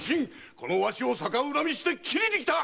このわしを逆恨みして斬りに来た！